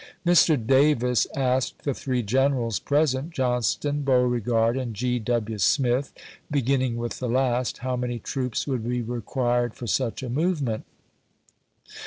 Mr. Davis asked the three generals present, Johnston, Beauregard, and G. W. Smith, 154 ABRAHAM LINCOLN Chap. IX. beginning with the last, how many troops would be required for such a movement.